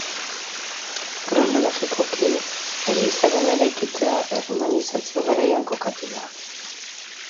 Kronologikoki, elizaren eraikitzea erromanizazio garaian kokatu da.